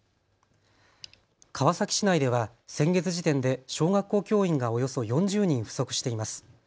川崎市内では先月時点で小学校教員がおよそ４０人不足しています。